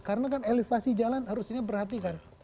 karena kan elevasi jalan harusnya perhatikan